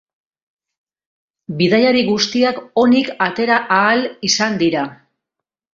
Bidaiari guztiak onik atera ahal izan dira.